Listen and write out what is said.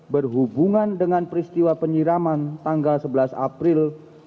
berhubungan dengan peristiwa penyiraman tanggal sebelas april dua ribu dua puluh